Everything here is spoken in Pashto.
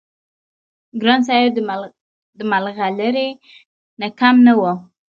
ګران صاحب د ملغلرې نه کم نه وو-